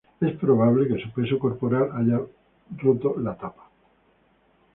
Es probable que su peso corporal haya roto la tapa.